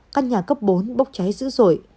các nhà cấp bốn bốc cháy dữ dội